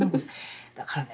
だからね